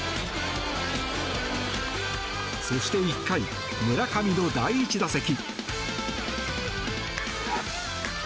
そして１回、村上の第１打席。